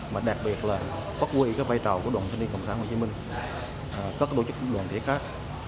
mà đặc biệt là phát huy vai trò của đoàn thanh niên cộng sản hồ chí minh các tổ chức đoàn thể khác